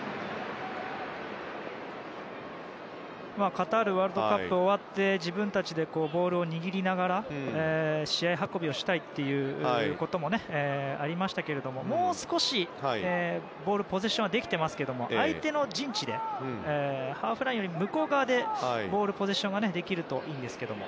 カタールワールドカップが終わって自分たちでボールを握りながら試合運びをしたいということもありましたけどももう少しボールポゼッションはできていますけど相手の陣地でハーフラインより向こう側でボールポゼッションができるといいんですけども。